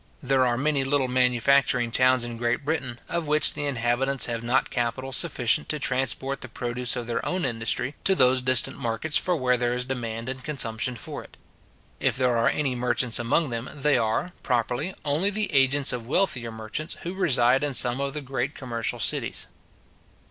There are many little manufacturing towns in Great Britain, of which the inhabitants have not capital sufficient to transport the produce of their own industry to those distant markets where there is demand and consumption for it. If there are any merchants among them, they are, properly, only the agents of wealthier merchants who reside in some of the great commercial cities.